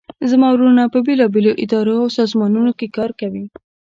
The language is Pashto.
زما وروڼه په بیلابیلو اداراو او سازمانونو کې کار کوي